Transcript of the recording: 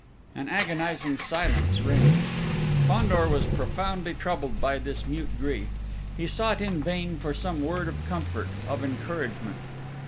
An agonising silence reigned. Fandor was profoundly troubled by this mute grief. He sought in vain for some word of comfort, of encouragement.